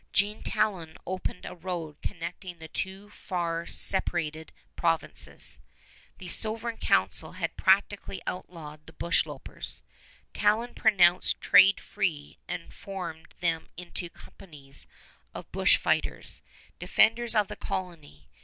Jean Talon opened a road connecting the two far separated provinces. The Sovereign Council had practically outlawed the bush lopers. Talon pronounced trade free, and formed them into companies of bush fighters defenders of the colony.